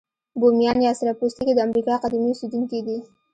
بومیان یا سره پوستکي د امریکا قديمي اوسیدونکي دي.